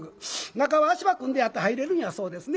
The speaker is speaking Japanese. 中は足場組んであって入れるんやそうですね。